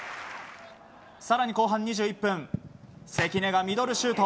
更に、後半２１分関根がミドルシュート。